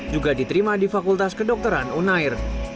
juga diterima di fakultas kedokteran unair